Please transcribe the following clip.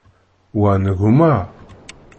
Wa n gma.